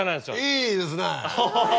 いいですね！